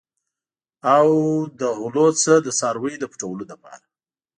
او له غلو نه د څارویو د پټولو لپاره.